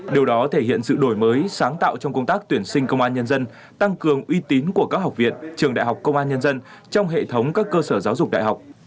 điều đó thể hiện sự đổi mới sáng tạo trong công tác tuyển sinh công an nhân dân tăng cường uy tín của các học viện trường đại học công an nhân dân trong hệ thống các cơ sở giáo dục đại học